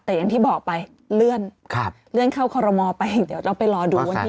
แต่อย่างที่บอกไปเลื่อนเข้าคอโหลโมรไปเดี๋ยวเราไปรอดูวันที่๒๗